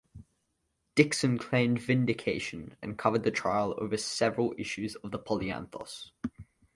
Dixon claimed vindication and covered the trial over several issues of the "Polyanthos".